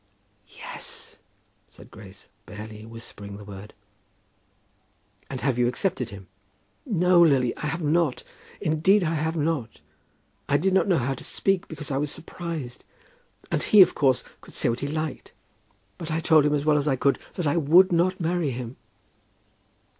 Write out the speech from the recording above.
"Yes," said Grace, barely whispering the word. "And you have accepted him?" "No, Lily, I have not. Indeed, I have not. I did not know how to speak, because I was surprised; and he, of course, could say what he liked. But I told him as well as I could, that I would not marry him."